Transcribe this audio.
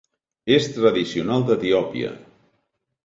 És tradicional d'Etiòpia.